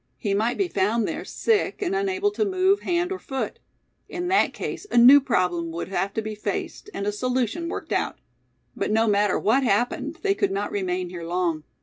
He might be found there, sick, and unable to move hand or foot. In that case a new problem would have to be faced, and a solution worked out. But no matter what happened, they could not remain here long.